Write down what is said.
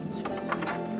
ya ma aku ngerti